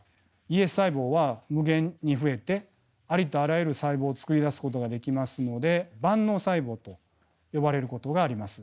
ＥＳ細胞は無限に増えてありとあらゆる細胞をつくり出すことができますので万能細胞と呼ばれることがあります。